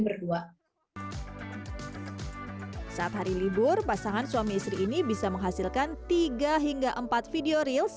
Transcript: berdua saat hari libur pasangan suami istri ini bisa menghasilkan tiga hingga empat video reals